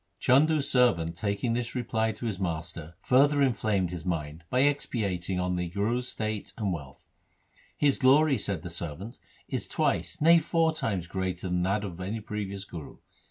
1 Chandu's servant taking this reply to his master further inflamed his mind by expatiating on the Guru's state and wealth. ' His glory,' said the ser vant, ' is twice, nay four times greater than that of any previous Guru.